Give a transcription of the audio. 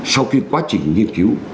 sau khi quá trình nghiên cứu